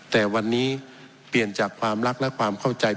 แต่วันนี้เปลี่ยนจากความรักและความเข้าใจ